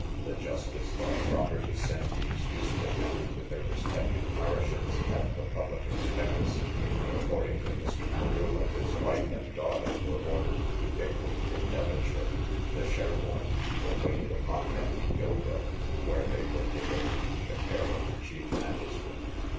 The justice thought proper to send these useful men to their respective parishes, at the public expense: accordingly Mr. Carew, with his wife and daughter, were ordered to Bickley, in Devonshire. The Sherborne people waited upon them to Yeovil, where they were delivered to the care of the chief magistrate.